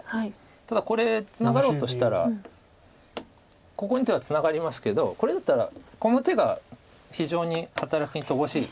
ただこれツナがろうとしたらここに打てばツナがりますけどこれだったらこの手が非常に働きに乏しい手になってしまうので。